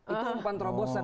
itu umpan terobosan